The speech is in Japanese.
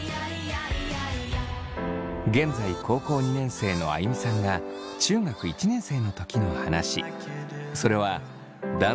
現在高校２年生のあいみさんが中学１年生の時の話。